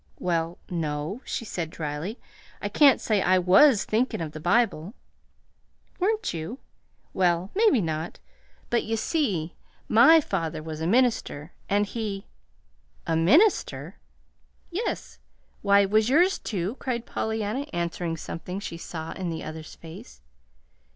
"Well, no," she said dryly. "I can't say I WAS thinkin' of the Bible." "Weren't you? Well, maybe not; but, you see, MY father was a minister, and he " "A MINISTER?" "Yes. Why, was yours, too?" cried Pollyanna, answering something she saw in the other's face.